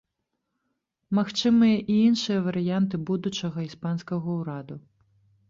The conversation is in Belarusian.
Магчымыя і іншыя варыянты будучага іспанскага ўраду.